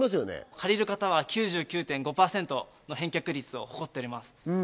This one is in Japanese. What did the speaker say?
借りる方は９９．５％の返却率を誇っております